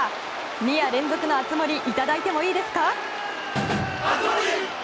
２夜連続の熱盛いただいてもいいですか。